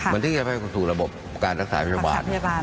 มันถึงสู่ระบบการรักษาแพทยาบาล